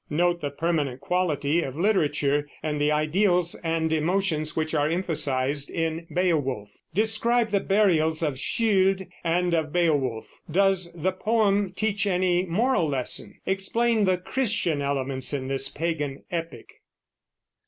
Note the permanent quality of literature, and the ideals and emotions which are emphasized in Beowulf. Describe the burials of Scyld and of Beowulf. Does the poem teach any moral lesson? Explain the Christian elements in this pagan epic.